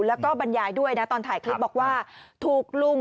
แล้วก็บรรยายด้วยนะตอนถ่ายคลิปบอกว่าถูกลุง